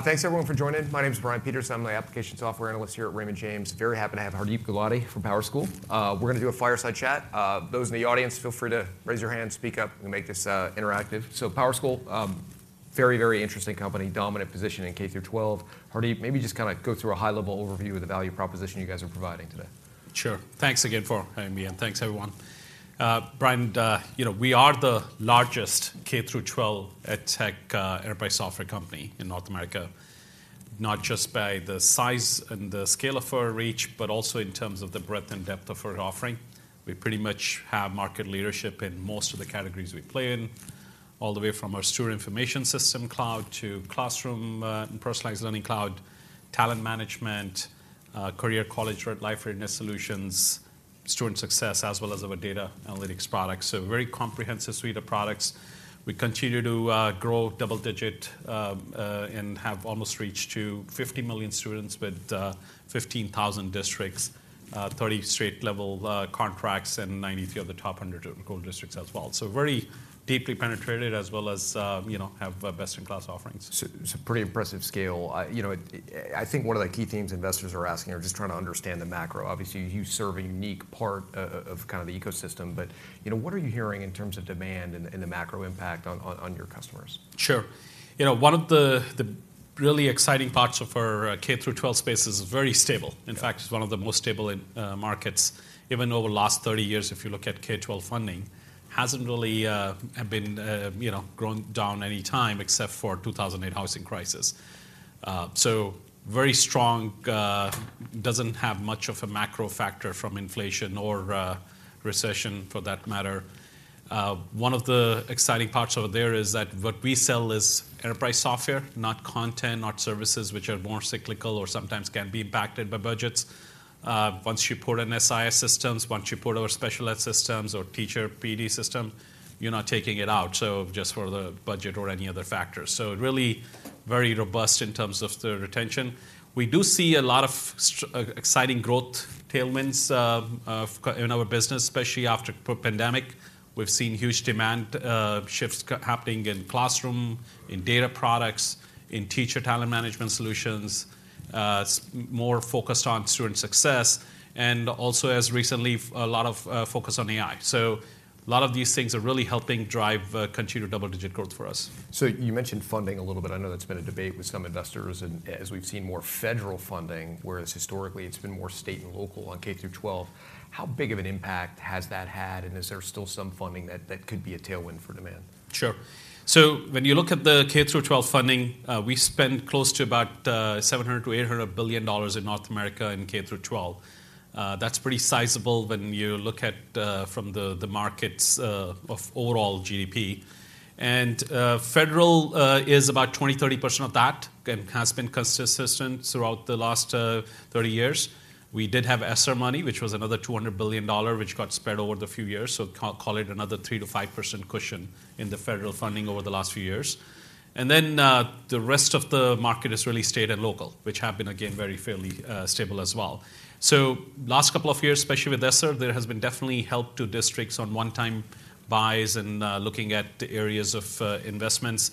Thanks everyone for joining. My name is Brian Peterson. I'm the application software analyst here at Raymond James. Very happy to have Hardeep Gulati from PowerSchool. We're going to do a fireside chat. Those in the audience, feel free to raise your hand, speak up. We'll make this interactive. So PowerSchool, very, very interesting company, dominant position in K through 12. Hardeep, maybe just kind of go through a high-level overview of the value proposition you guys are providing today. Sure. Thanks again for having me, and thanks, everyone. Brian, you know, we are the largest K-12 edtech enterprise software company in North America, not just by the size and the scale of our reach, but also in terms of the breadth and depth of our offering. We pretty much have market leadership in most of the categories we play in, all the way from our student information system cloud to classroom and Personalized Learning Cloud, talent management, career college, life readiness solutions, student success, as well as our data analytics products. So a very comprehensive suite of products. We continue to grow double-digit and have almost reached 50 million students with 15,000 districts, 30 state-level contracts and 93 of the top 100 school districts as well. So very deeply penetrated, as well as, you know, have best-in-class offerings. So, it's a pretty impressive scale. You know, I think one of the key themes investors are asking are just trying to understand the macro. Obviously, you serve a unique part of kind of the ecosystem, but, you know, what are you hearing in terms of demand and the macro impact on your customers? Sure. You know, one of the really exciting parts of our K through 12 space is very stable. Yeah. In fact, it's one of the most stable markets, even over the last 30 years, if you look at K-12 funding, hasn't really been, you know, grown down any time except for 2008 housing crisis. So very strong, doesn't have much of a macro factor from inflation or recession, for that matter. One of the exciting parts over there is that what we sell is enterprise software, not content, not services, which are more cyclical or sometimes can be impacted by budgets. Once you put in SIS systems, once you put our special ed systems or teacher PD system, you're not taking it out, so just for the budget or any other factors. So really very robust in terms of the retention. We do see a lot of exciting growth tailwinds in our business, especially after post-pandemic. We've seen huge demand, shifts happening in classroom, in data products, in teacher talent management solutions, more focused on student success, and also as recently, a lot of focus on AI. So a lot of these things are really helping drive continued double-digit growth for us. So you mentioned funding a little bit. I know that's been a debate with some investors and as we've seen more federal funding, whereas historically it's been more state and local on K-12. How big of an impact has that had, and is there still some funding that could be a tailwind for demand? Sure. So when you look at the K through 12 funding, we spend close to about $700 billion-$800 billion in North America in K through 12. That's pretty sizable when you look at from the markets of overall GDP. And federal is about 20%-30% of that, and has been consistent throughout the last 30 years. We did have ESSER money, which was another $200 billion dollars, which got spread over the few years, so call it another 3%-5% cushion in the federal funding over the last few years. And then the rest of the market is really state and local, which have been again very fairly stable as well. So last couple of years, especially with ESSER, there has been definitely help to districts on one-time buys and looking at areas of investments.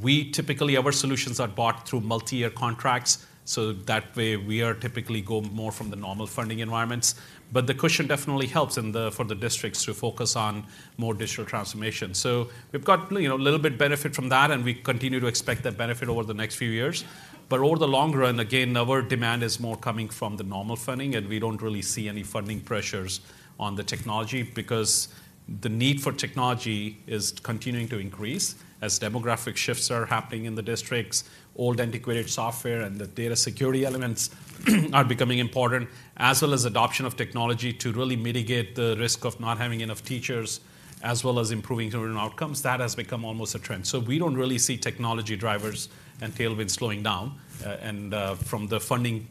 We typically, our solutions are bought through multi-year contracts, so that way, we are typically go more from the normal funding environments. But the cushion definitely helps in the for the districts to focus on more digital transformation. So we've got, you know, a little bit benefit from that, and we continue to expect that benefit over the next few years. But over the long run, again, our demand is more coming from the normal funding, and we don't really see any funding pressures on the technology because the need for technology is continuing to increase as demographic shifts are happening in the districts. Old, antiquated software and the data security elements are becoming important, as well as adoption of technology to really mitigate the risk of not having enough teachers, as well as improving student outcomes. That has become almost a trend. So we don't really see technology drivers and tailwinds slowing down, from the funding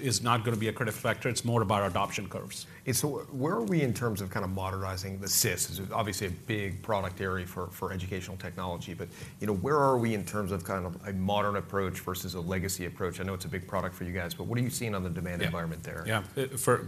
is not going to be a critical factor. It's more about adoption curves. And so where are we in terms of kind of modernizing the SIS? It's obviously a big product area for educational technology, but, you know, where are we in terms of kind of a modern approach versus a legacy approach? I know it's a big product for you guys, but what are you seeing on the demand environment there? Yeah.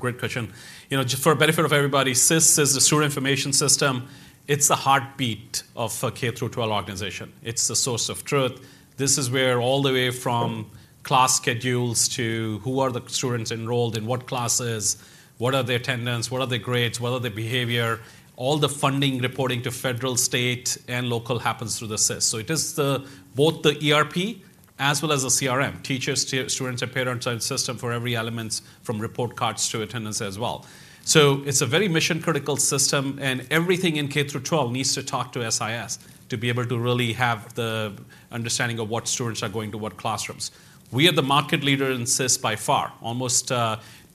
Great question. You know, just for the benefit of everybody, SIS is the student information system. It's the heartbeat of a K-12 organization. It's the source of truth. This is where all the way from class schedules to who are the students enrolled in what classes, what are their attendance, what are their grades, what are their behavior, all the funding reporting to federal, state, and local happens through the SIS. So it is the, both the ERP as well as the CRM, teachers, students, and parents, and system for every elements, from report cards to attendance as well. So it's a very mission-critical system, and everything in K-12 needs to talk to SIS to be able to really have the understanding of what students are going to what classrooms. We are the market leader in SIS by far, almost,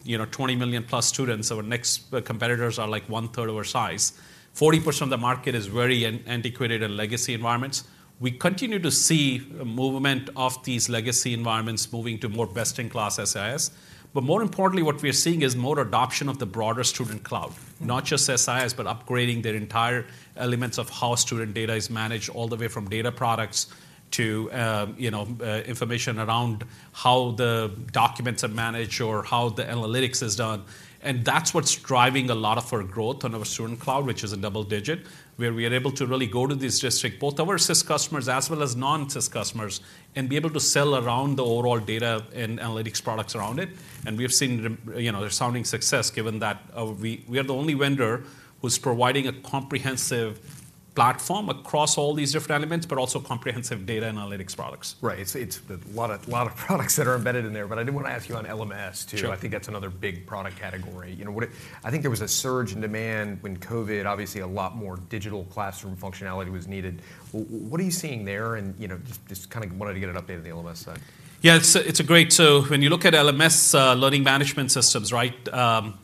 you know, 20 million+ students. Our next competitors are, like, one third of our size. 40% of the market is very antiquated and legacy environments. We continue to see a movement of these legacy environments moving to more best-in-class SIS. But more importantly, what we are seeing is more adoption of the broader student cloud, not just SIS, but upgrading their entire elements of how student data is managed, all the way from data products to, you know, information around how the documents are managed or how the analytics is done. And that's what's driving a lot of our growth on our student cloud, which is in double digit, where we are able to really go to these districts, both our SIS customers as well as non-SIS customers, and be able to sell around the overall data and analytics products around it. And we have seen, you know, resounding success, given that we are the only vendor who's providing a comprehensive platform across all these different elements, but also comprehensive data analytics products. Right. It's a lot of products that are embedded in there, but I did want to ask you on LMS, too. Sure. I think that's another big product category. You know, I think there was a surge in demand when COVID, obviously, a lot more digital classroom functionality was needed. What are you seeing there? And, you know, just, just kind of wanted to get an update on the LMS side. Yeah, it's a great. So when you look at LMS, learning management systems, right?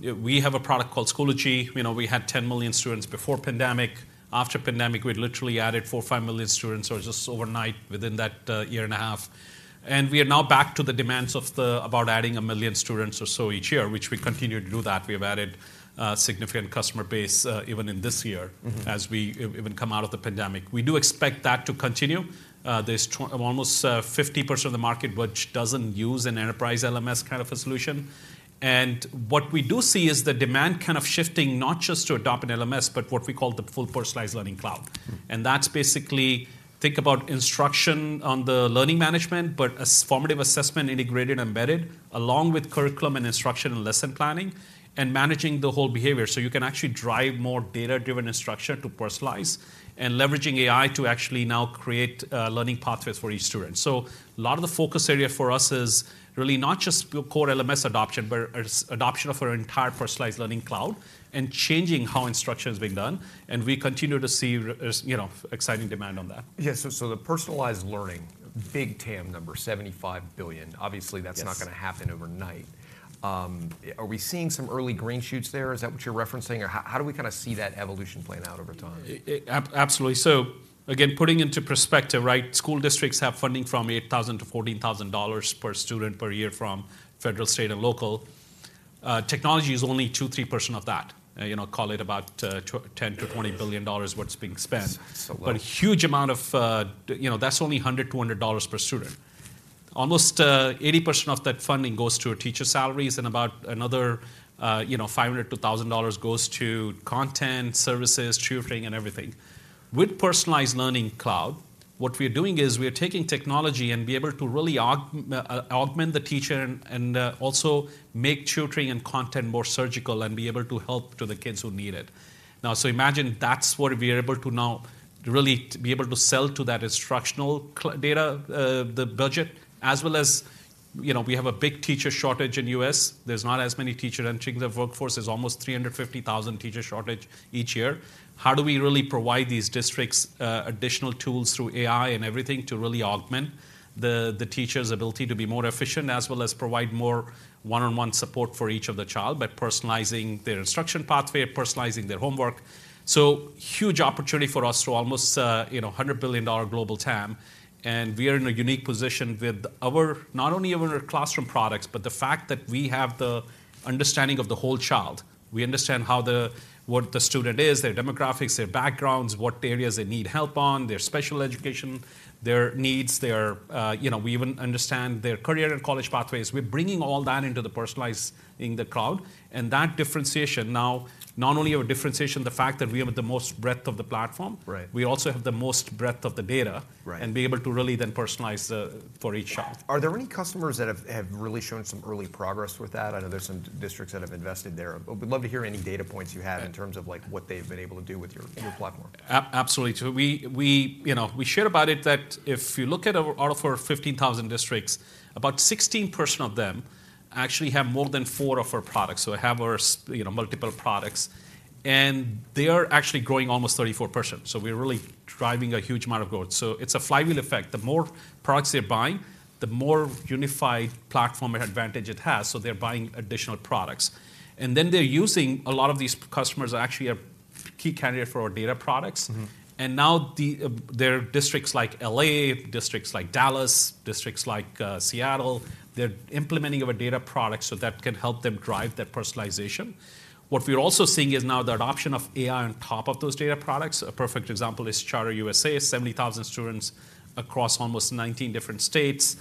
We have a product called Schoology. You know, we had 10 million students before pandemic. After pandemic, we literally added four or five million students, or just overnight, within that, year and a half. And we are now back to the demands of the... about adding 1 million students or so each year, which we continue to do that. We have added a significant customer base, even in this year- Mm-hmm... as we even come out of the pandemic. We do expect that to continue. There's almost 50% of the market which doesn't use an enterprise LMS kind of a solution. And what we do see is the demand kind of shifting not just to adopt an LMS, but what we call the full Personalized Learning Cloud. Mm. And that's basically, think about instruction on the learning management, but a formative assessment, integrated, embedded, along with curriculum and instruction and lesson planning, and managing the whole behavior. So you can actually drive more data-driven instruction to personalize, and leveraging AI to actually now create learning pathways for each student. So a lot of the focus area for us is really not just core LMS adoption, but as adoption of our entire Personalized Learning Cloud and changing how instruction is being done, and we continue to see, you know, exciting demand on that. Yeah, so the personalized learning, big TAM number, $75 billion. Yes. Obviously, that's not gonna happen overnight. Are we seeing some early green shoots there? Is that what you're referencing, or how, how do we kind of see that evolution playing out over time? Absolutely. So again, putting into perspective, right? School districts have funding from $8,000-$14,000 per student per year from federal, state, and local. Technology is only 2%-3% of that. You know, call it about $10 billion-$20 billion, what's being spent. It's a lot. But a huge amount of, you know... That's only $100-$200 per student. Almost 80% of that funding goes to teacher salaries, and about another, you know, $500-$2,000 goes to content, services, tutoring, and everything. With Personalized Learning Cloud, what we're doing is we are taking technology and be able to really augment the teacher and, and, also make tutoring and content more surgical and be able to help to the kids who need it. Now, so imagine that's what we're able to now really be able to sell to that instructional data, the budget, as well as, you know, we have a big teacher shortage in U.S. There's not as many teacher entering the workforce. There's almost 350,000 teacher shortage each year. How do we really provide these districts additional tools through AI and everything to really augment the teacher's ability to be more efficient, as well as provide more one-on-one support for each of the child by personalizing their instruction pathway, personalizing their homework? So, huge opportunity for us to almost, you know, $100 billion global TAM, and we are in a unique position with our, not only our classroom products, but the fact that we have the understanding of the whole child. We understand how the, what the student is, their demographics, their backgrounds, what areas they need help on, their special education, their needs, their. You know, we even understand their career and college pathways. We're bringing all that into the personalizing the cloud, and that differentiation now, not only our differentiation, the fact that we have the most breadth of the platform- Right... we also have the most breadth of the data- Right... and be able to really then personalize, for each child. Are there any customers that have really shown some early progress with that? I know there's some districts that have invested there. We'd love to hear any data points you have in terms of, like, what they've been able to do with your platform? Absolutely. So you know, we shared about it, that if you look at our out of our 15,000 districts, about 16% of them actually have more than four of our products, so have our you know, multiple products. And they are actually growing almost 34%, so we're really driving a huge amount of growth. So it's a flywheel effect: The more products they're buying, the more unified platform advantage it has, so they're buying additional products. And then, they're using. A lot of these customers are actually a key candidate for our data products. Mm-hmm. And now there are districts like L.A., districts like Dallas, districts like Seattle, they're implementing our data products so that can help them drive that personalization. What we're also seeing is now the adoption of AI on top of those data products. A perfect example is Charter USA, 70,000 students across almost 19 different states,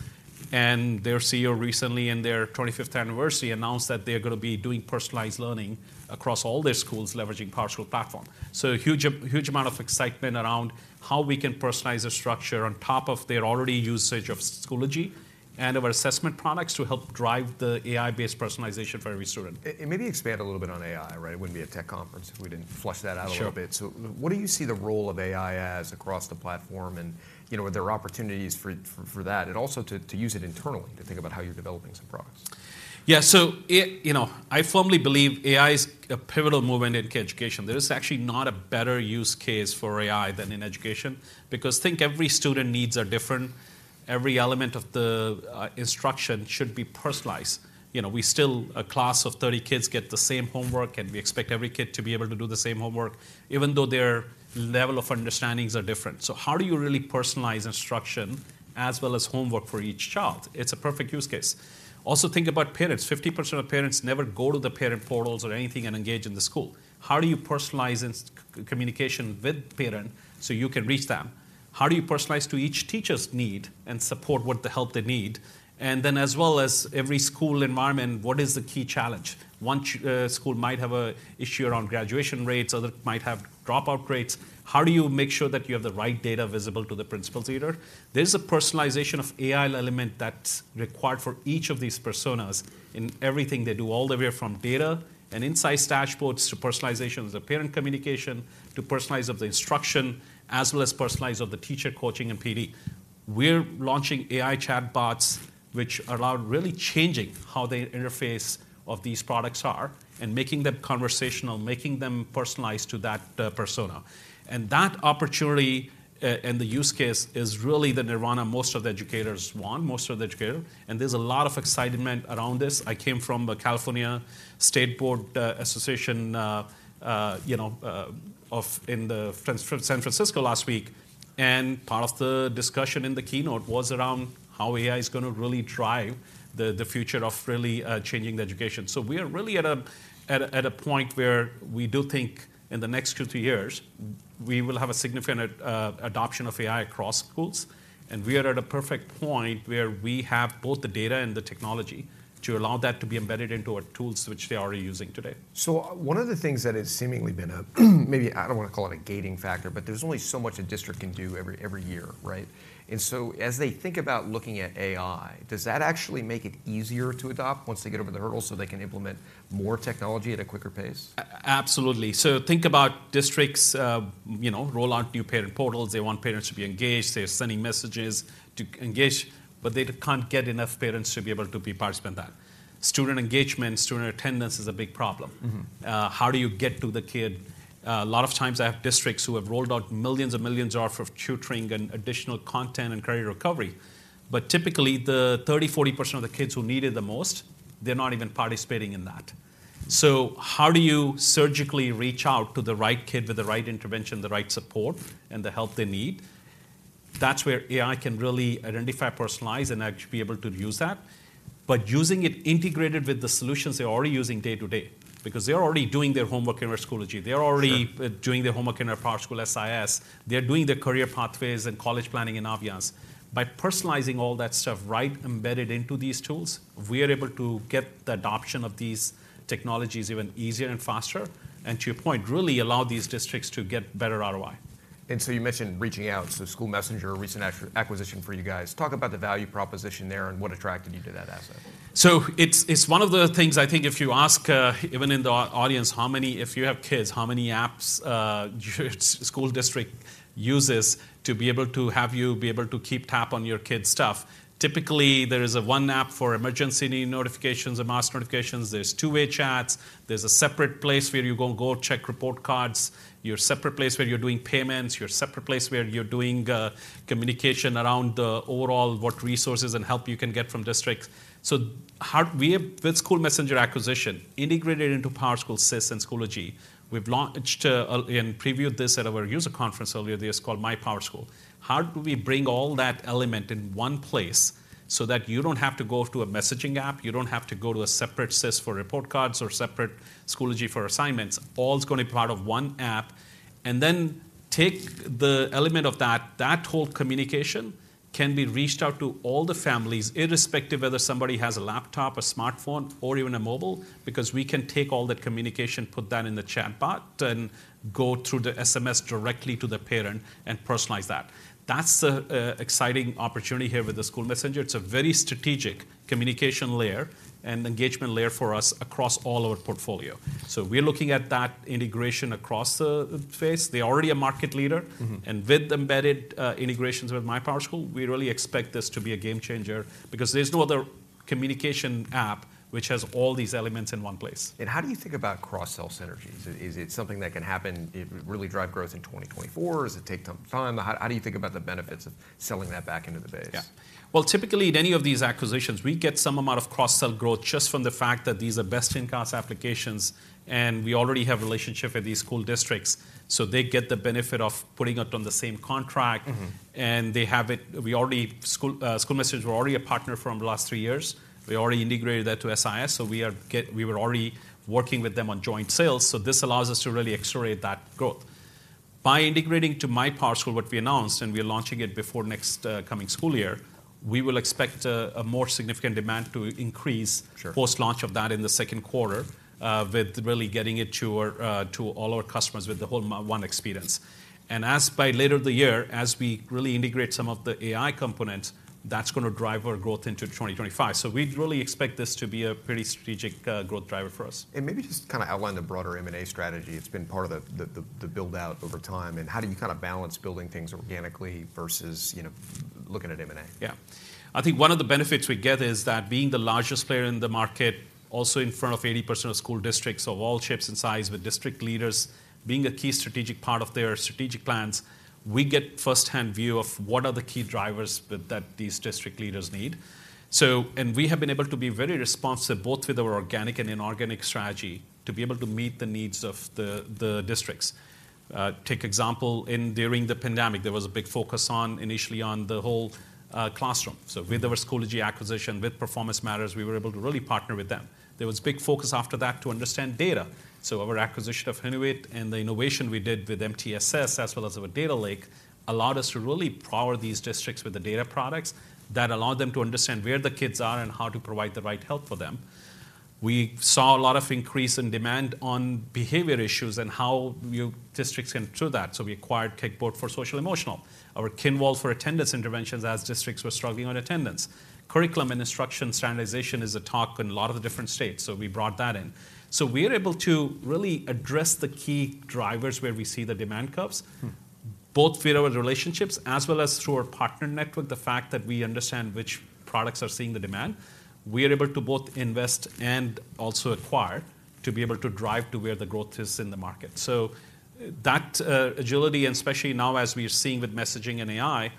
and their CEO recently, in their 25th anniversary, announced that they're gonna be doing personalized learning across all their schools, leveraging PowerSchool platform. So huge amount of excitement around how we can personalize the structure on top of their already usage of Schoology and of our assessment products to help drive the AI-based personalization for every student. And maybe expand a little bit on AI, right? It wouldn't be a tech conference if we didn't flush that out a little bit. Sure. So what do you see the role of AI as across the platform? You know, are there opportunities for that, and also to use it internally to think about how you're developing some products? Yeah. You know, I firmly believe AI is a pivotal moment in education. There is actually not a better use case for AI than in education, because think, every student needs are different. Every element of the instruction should be personalized. You know, we still, a class of 30 kids get the same homework, and we expect every kid to be able to do the same homework, even though their level of understandings are different. So how do you really personalize instruction as well as homework for each child? It's a perfect use case. Also, think about parents. 50% of parents never go to the parent portals or anything and engage in the school. How do you personalize this communication with parent so you can reach them? How do you personalize to each teacher's need and support what the help they need? And then, as well as every school environment, what is the key challenge? One school might have an issue around graduation rates. Other might have dropout rates. How do you make sure that you have the right data visible to the principal leader? There's a personalization of AI element that's required for each of these personas in everything they do, all the way from data and insights dashboards, to personalization of the parent communication, to personalization of the instruction, as well as personalization of the teacher coaching and PD. We're launching AI chatbots, which allow really changing how the interface of these products are, and making them conversational, making them personalized to that persona. And that opportunity and the use case is really the nirvana most of the educators want, most of the educator, and there's a lot of excitement around this. I came from the California State Board Association, you know, of in the San Francisco last week, and part of the discussion in the keynote was around how AI is gonna really drive the future of really changing the education. So we are really at a point where we do think in the next 2-3 years, we will have a significant adoption of AI across schools. And we are at a perfect point where we have both the data and the technology to allow that to be embedded into our tools, which they are already using today. So one of the things that has seemingly been a maybe I don't want to call it a gating factor, but there's only so much a district can do every year, right? And so as they think about looking at AI, does that actually make it easier to adopt once they get over the hurdle, so they can implement more technology at a quicker pace? Absolutely. So think about districts, you know, roll out new parent portals. They want parents to be engaged. They're sending messages to engage, but they can't get enough parents to be able to be participant in that. Student engagement, student attendance is a big problem. Mm-hmm. How do you get to the kid? A lot of times I have districts who have rolled out $millions and millions for tutoring and additional content and credit recovery, but typically, the 30%-40% of the kids who need it the most, they're not even participating in that. So how do you surgically reach out to the right kid with the right intervention, the right support, and the help they need? That's where AI can really identify, personalize, and actually be able to use that, but using it integrated with the solutions they're already using day to day, because they're already doing their homework in our Schoology. Sure. They're already doing their homework in our PowerSchool SIS. They're doing their career pathways and college planning in Naviance. By personalizing all that stuff, right, embedded into these tools, we are able to get the adoption of these technologies even easier and faster, and to your point, really allow these districts to get better ROI. You mentioned reaching out. SchoolMessenger, a recent acquisition for you guys. Talk about the value proposition there and what attracted you to that asset? So it's one of the things I think if you ask, even in the audience, how many... If you have kids, how many apps your school district uses to be able to have you be able to keep tabs on your kids' stuff? Typically, there is one app for emergency notifications and mass notifications. There's two-way chats. There's a separate place where you go check report cards, your separate place where you're doing payments, your separate place where you're doing communication around the overall, what resources and help you can get from districts. So we have, with SchoolMessenger acquisition, integrated into PowerSchool SIS and Schoology, we've launched and previewed this at our user conference earlier this, called MyPowerSchool. How do we bring all that element in one place so that you don't have to go to a messaging app, you don't have to go to a separate SIS for report cards or separate Schoology for assignments? All is going to be part of one app, and then take the element of that, that whole communication can be reached out to all the families, irrespective whether somebody has a laptop, a smartphone, or even a mobile, because we can take all that communication, put that in the chatbot and go through the SMS directly to the parent and personalize that. That's an exciting opportunity here with the SchoolMessenger. It's a very strategic communication layer and engagement layer for us across all our portfolio. So we're looking at that integration across the phase. They're already a market leader. Mm-hmm. With embedded integrations with MyPowerSchool, we really expect this to be a game changer because there's no other communication app which has all these elements in one place. How do you think about cross-sell synergies? Is it something that can happen, it really drive growth in 2024, or does it take some time? How, how do you think about the benefits of selling that back into the base? Yeah. Well, typically, in any of these acquisitions, we get some amount of cross-sell growth just from the fact that these are best-in-class applications, and we already have relationship with these school districts. So they get the benefit of putting it on the same contract- Mm-hmm... and they have it. We already—SchoolMessenger were already a partner for the last three years. We already integrated that to SIS, so we were already working with them on joint sales, so this allows us to really accelerate that growth. By integrating to MyPowerSchool, what we announced, and we are launching it before next coming school year, we will expect a more significant demand to increase- Sure... post-launch of that in the second quarter, with really getting it to our, to all our customers with the whole one experience. And as by later this year, as we really integrate some of the AI components, that's gonna drive our growth into 2025. So we really expect this to be a pretty strategic, growth driver for us. Maybe just kind of outline the broader M&A strategy. It's been part of the build-out over time, and how do you kind of balance building things organically versus, you know, looking at M&A? Yeah. I think one of the benefits we get is that being the largest player in the market, also in front of 80% of school districts of all shapes and sizes, with district leaders being a key strategic part of their strategic plans, we get firsthand view of what are the key drivers that these district leaders need. So, and we have been able to be very responsive, both with our organic and inorganic strategy, to be able to meet the needs of the districts. Take example, in during the pandemic, there was a big focus on, initially on the whole classroom. So with our Schoology acquisition, with Performance Matters, we were able to really partner with them. There was big focus after that to understand data. So our acquisition of Hobsons and the innovation we did with MTSS, as well as our data lake, allowed us to really power these districts with the data products that allowed them to understand where the kids are and how to provide the right help for them. We saw a lot of increase in demand on behavior issues and how new districts can improve that. So we acquired Kickboard for social-emotional, or Kinvolved for attendance interventions, as districts were struggling on attendance. Curriculum and instruction standardization is a talk in a lot of the different states, so we brought that in. So we're able to really address the key drivers where we see the demand curves- Mm-hmm... both through our relationships as well as through our partner network, the fact that we understand which products are seeing the demand, we are able to both invest and also acquire to be able to drive to where the growth is in the market. So that agility, and especially now as we are seeing with messaging and AI,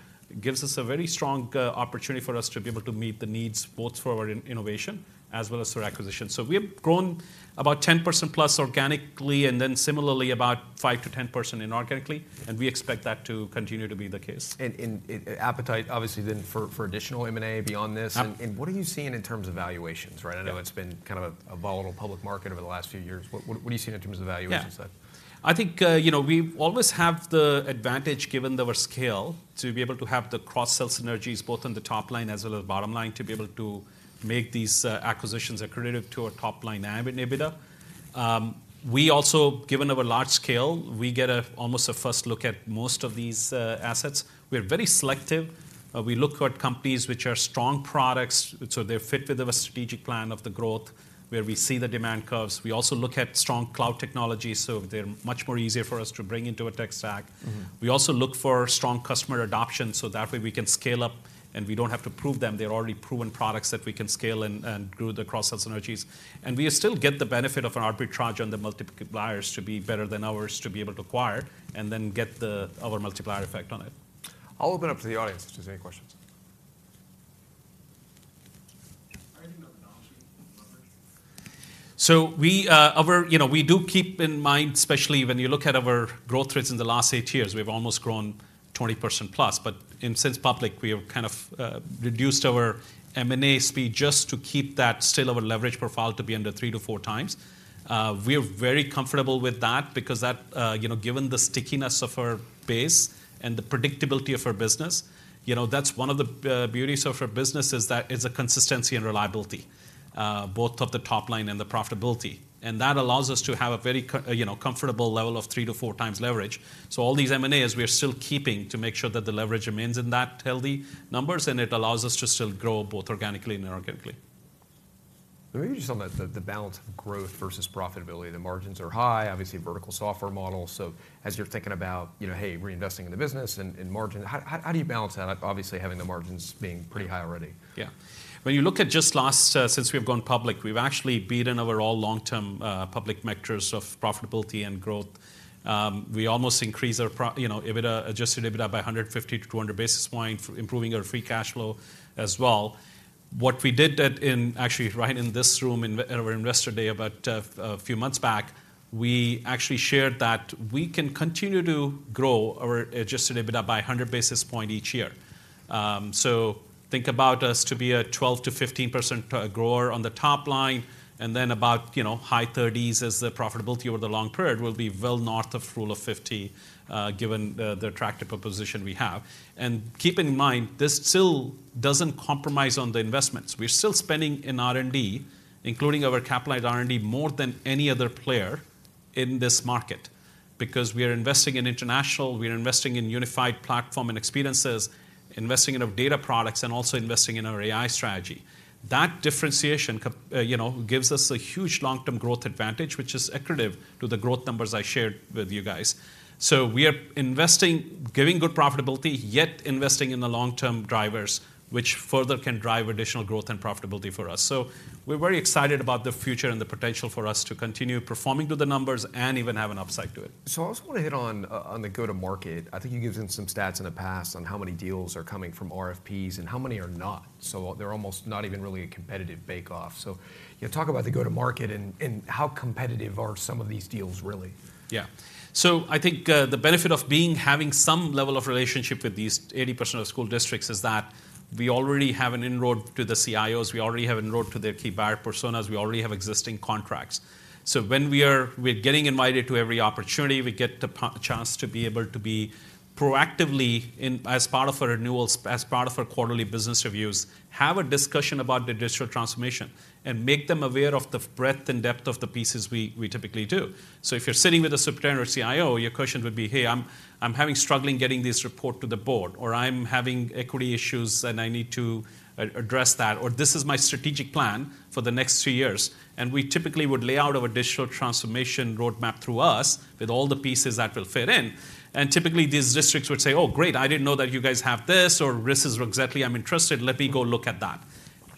gives us a very strong opportunity for us to be able to meet the needs, both for our innovation as well as for acquisition. So we have grown about 10%+ organically, and then similarly about 5%-10% inorganically, and we expect that to continue to be the case. And the appetite, obviously, then for additional M&A beyond this. Yeah. And what are you seeing in terms of valuations, right? Yeah. I know it's been kind of a volatile public market over the last few years. What are you seeing in terms of the valuation side? Yeah. I think, you know, we always have the advantage, given our scale, to be able to have the cross-sell synergies, both on the top line as well as bottom line, to be able to make these acquisitions accretive to our top-line NAV and EBITDA. We also, given our large scale, we get almost a first look at most of these assets. We are very selective. We look at companies which are strong products, so they fit with our strategic plan of the growth, where we see the demand curves. We also look at strong cloud technology, so they're much more easier for us to bring into a tech stack. Mm-hmm. We also look for strong customer adoption, so that way, we can scale up, and we don't have to prove them. They're already proven products that we can scale and grow the cross-sell synergies. And we still get the benefit of an arbitrage on the multiple buyers to be better than ours, to be able to acquire and then get the... our multiplier effect on it. I'll open up to the audience if there's any questions. How are you doing on the leverage? So we, you know, we do keep in mind, especially when you look at our growth rates in the last eight years, we've almost grown 20% plus. But in since public, we have kind of reduced our M&A speed just to keep that still our leverage profile to be under 3-4x. We are very comfortable with that because that, you know, given the stickiness of our base and the predictability of our business, you know, that's one of the beauties of our business is that it's a consistency and reliability both of the top line and the profitability. And that allows us to have a very, you know, comfortable level of 3-4x leverage. All these M&As, we are still keeping to make sure that the leverage remains in that healthy numbers, and it allows us to still grow both organically and inorganically. Maybe just on the balance of growth versus profitability. The margins are high, obviously, a vertical software model. So as you're thinking about, you know, hey, reinvesting in the business and margin, how do you balance that, obviously, having the margins being pretty high already? Yeah. When you look at just last since we've gone public, we've actually beaten our all long-term public metrics of profitability and growth. We almost increased our pro- you know, EBITDA, adjusted EBITDA by 150-200 basis points, improving our free cash flow as well. What we did that in, actually, right in this room, in Investor Day, about a few months back, we actually shared that we can continue to grow our adjusted EBITDA by 100 basis point each year. So think about us to be a 12%-15% grower on the top line, and then about, you know, high thirties as the profitability over the long period. We'll be well north of Rule of 50, given the attractive proposition we have. And keep in mind, this still doesn't compromise on the investments. We're still spending in R&D, including our capitalized R&D, more than any other player in this market, because we are investing in international, we are investing in unified platform and experiences, investing in our data products, and also investing in our AI strategy. That differentiation, you know, gives us a huge long-term growth advantage, which is accretive to the growth numbers I shared with you guys. So we are investing, giving good profitability, yet investing in the long-term drivers, which further can drive additional growth and profitability for us. So we're very excited about the future and the potential for us to continue performing to the numbers and even have an upside to it. So I also want to hit on the go-to-market. I think you gave them some stats in the past on how many deals are coming from RFPs and how many are not. So they're almost not even really a competitive bake-off. So, you know, talk about the go-to-market and how competitive are some of these deals, really? Yeah. So I think the benefit of being, having some level of relationship with these 80% of school districts is that we already have an inroad to the CIOs, we already have inroad to their key buyer personas, we already have existing contracts. So when we're getting invited to every opportunity, we get the chance to be able to be proactively in as part of our renewals, as part of our quarterly business reviews, have a discussion about the digital transformation and make them aware of the breadth and depth of the pieces we, we typically do. So if you're sitting with a superintendent or CIO, your question would be, "Hey, I'm struggling getting this report to the board," or, "I'm having equity issues, and I need to address that," or, "This is my strategic plan for the next three years." We typically would lay out our digital transformation roadmap through us, with all the pieces that will fit in. Typically, these districts would say, "Oh, great, I didn't know that you guys have this," or, "This is exactly I'm interested. Let me go look at that."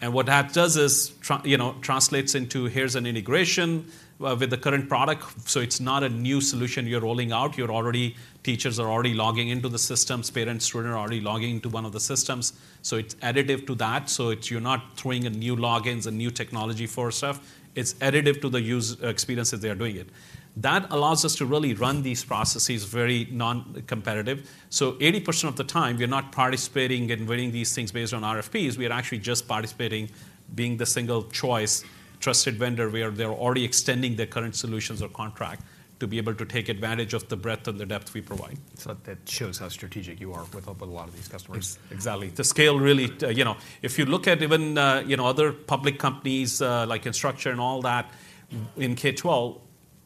And what that does is you know, translates into, here's an integration with the current product. So it's not a new solution you're rolling out. You're already... Teachers are already logging into the systems. Parents, students are already logging into one of the systems. So it's additive to that. So it's you're not throwing in new logins and new technology for stuff. It's additive to the user experience as they are doing it. That allows us to really run these processes very non-competitive. So 80% of the time, we are not participating and winning these things based on RFPs. We are actually just participating, being the single choice, trusted vendor, where they're already extending their current solutions or contract to be able to take advantage of the breadth and the depth we provide. That shows how strategic you are with a lot of these customers. Exactly. The scale, really, you know, if you look at even, you know, other public companies, like Instructure and all that, in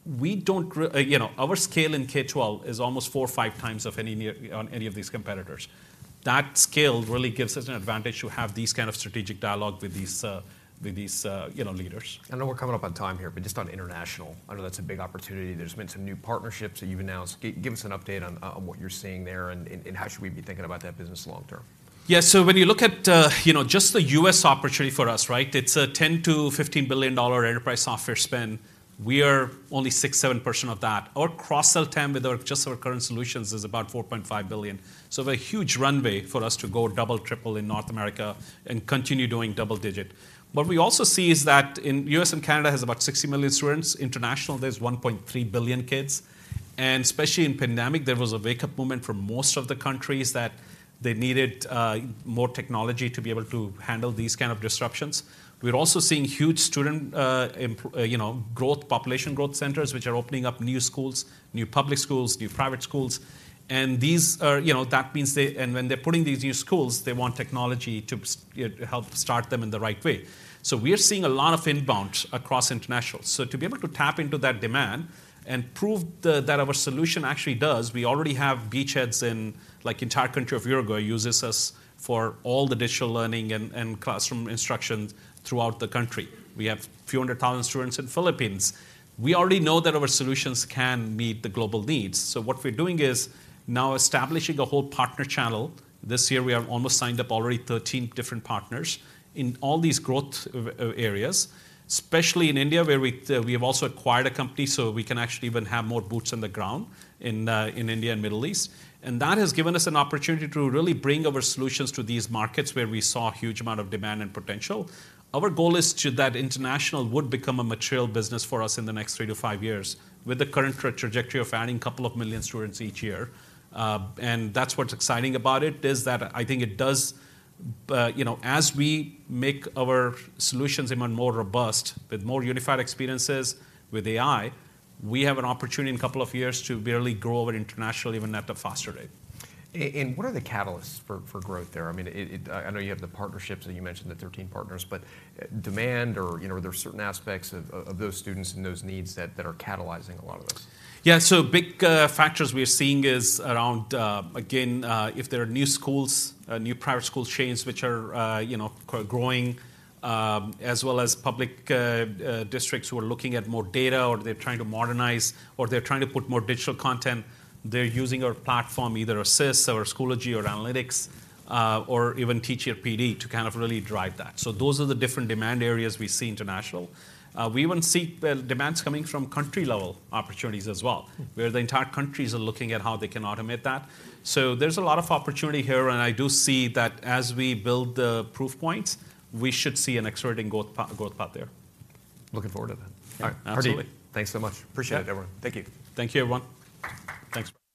K-12... you know, our scale in K-12 is almost four or five times of any of these competitors. That scale really gives us an advantage to have these kind of strategic dialogue with these, with these, you know, leaders. I know we're coming up on time here, but just on international, I know that's a big opportunity. There's been some new partnerships that you've announced. Give us an update on what you're seeing there, and how should we be thinking about that business long term? Yeah, so when you look at, you know, just the U.S. opportunity for us, right? It's a $10-$15 billion enterprise software spend. We are only 6%-7% of that. Our cross-sell TAM with our, just our current solutions is about $4.5 billion. So we have a huge runway for us to go double, triple in North America and continue doing double digit. What we also see is that in the U.S. and Canada has about 60 million students, international, there's 1.3 billion kids, and especially in pandemic, there was a wake-up moment for most of the countries that they needed more technology to be able to handle these kind of disruptions. We're also seeing huge student growth, population growth centers, which are opening up new schools, new public schools, new private schools. These are, you know, that means they, and when they're putting these new schools, they want technology to, you know, help start them in the right way. So we are seeing a lot of inbound across international. So to be able to tap into that demand and prove that our solution actually does, we already have beachheads in, like, the entire country of Uruguay uses us for all the digital learning and classroom instruction throughout the country. We have a few hundred thousand students in Philippines. We already know that our solutions can meet the global needs, so what we're doing is now establishing a whole partner channel. This year, we have almost signed up already 13 different partners in all these growth areas, especially in India, where we have also acquired a company, so we can actually even have more boots on the ground in India and Middle East. And that has given us an opportunity to really bring our solutions to these markets where we saw a huge amount of demand and potential. Our goal is to, that international would become a material business for us in the next 3-5 years, with the current trajectory of adding a couple of million students each year. That's what's exciting about it, is that I think it does, you know, as we make our solutions even more robust, with more unified experiences, with AI, we have an opportunity in a couple of years to really grow our international even at a faster rate. What are the catalysts for growth there? I mean, I know you have the partnerships, and you mentioned the 13 partners, but demand or, you know, are there certain aspects of those students and those needs that are catalyzing a lot of this? Yeah, so big factors we are seeing is around, again, if there are new schools, new private school chains, which are, you know, growing, as well as public districts who are looking at more data, or they're trying to modernize, or they're trying to put more digital content, they're using our platform, either SIS or Schoology or Analytics, or even Teacher PD to kind of really drive that. So those are the different demand areas we see international. We even see, well, demands coming from country-level opportunities as well- Mm... where the entire countries are looking at how they can automate that. So there's a lot of opportunity here, and I do see that as we build the proof points, we should see an accelerating growth path there. Looking forward to that. Yeah, absolutely. Hardeep, thanks so much. Appreciate it, everyone. Yeah. Thank you. Thank you, everyone. Thanks.